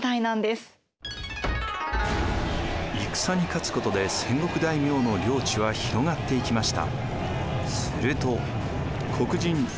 戦に勝つことで戦国大名の領地は広がっていきました。